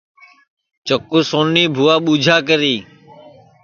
چکُو سونی بُھوا ٻوجھا کری